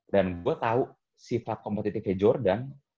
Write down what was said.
dan gue tau sifat kompetitifnya jordan